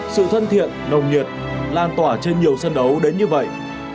sự thân thiện nồng nhiệt lan tỏa trên nhiều sân đấu đến như vậy